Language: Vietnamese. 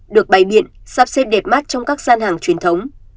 được bày biện sắp xếp đẹp mắt trong các gian hàng truyền thống